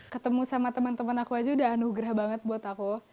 ketemu sama teman teman aku aja udah anugerah banget buat aku